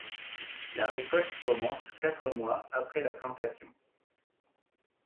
La récolte commence quatre mois après la plantation.